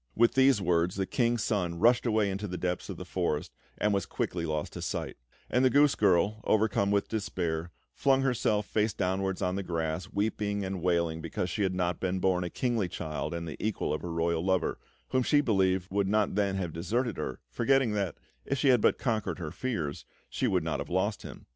With these words the King's Son rushed away into the depths of the forest, and was quickly lost to sight; and the goose girl, overcome with despair, flung herself face downwards on the grass, weeping and wailing because she had not been born a kingly child and the equal of her royal lover, whom she believed would not then have deserted her, forgetting that, if she had but conquered her fears, she would not have lost him.